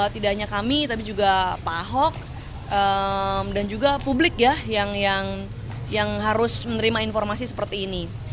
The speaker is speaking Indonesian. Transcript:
tidak hanya kami tapi juga pak ahok dan juga publik ya yang harus menerima informasi seperti ini